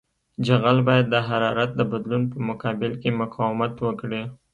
جغل باید د حرارت د بدلون په مقابل کې مقاومت وکړي